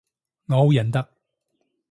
我好忍得